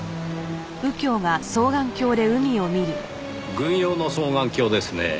軍用の双眼鏡ですねぇ。